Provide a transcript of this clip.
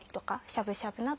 しゃぶしゃぶあ